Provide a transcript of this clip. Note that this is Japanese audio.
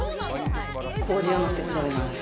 こうじをのせて食べます。